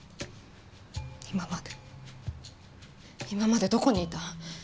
今まで今までどこにいた？